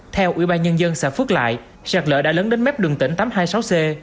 theo ủy ban nhân dân xã phước lại sạt lỡ đã lớn đến mép đường tỉnh tám trăm hai mươi sáu c